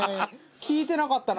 聞いてなかったな